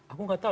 aku enggak tahu